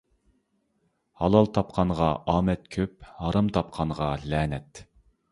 ھالال تاپقانغا ئامەت كۆپ، ھارام تاپقانغا لەنەت.